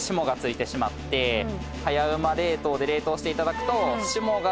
はやうま冷凍で冷凍していただくと。